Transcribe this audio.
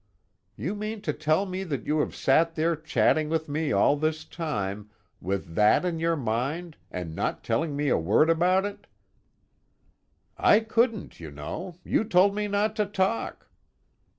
"You mean to tell me that you have sat there chatting with me all this time, with that in your mind, and not telling me a word about it?" "I couldn't, you know. You told me not to talk."